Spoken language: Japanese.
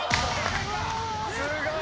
・すごい！